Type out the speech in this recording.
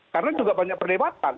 karena juga banyak perdebatan